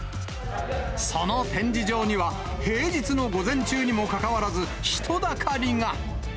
その展示場には、平日の午前中にもかかわらず、人だかりが。